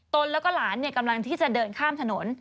นแล้วก็หลานกำลังที่จะเดินข้ามถนน